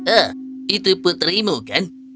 ah itu putrimu kan